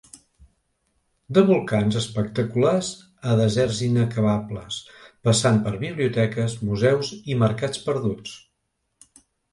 De volcans espectaculars a deserts inacabables, passant per biblioteques, museus i mercats perduts.